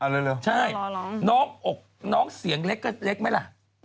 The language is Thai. ไม่มีไมค์ใช่น้องเสียงเล็กก็เล็กไหมล่ะ